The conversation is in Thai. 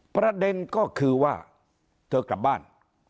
ประเด็นก็คือว่าเธอกลับบ้าน